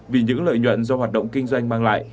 vì những lợi nhuận do hoạt động kinh doanh mang lại